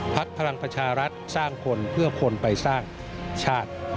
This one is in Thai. พลังประชารัฐสร้างคนเพื่อคนไปสร้างชาติ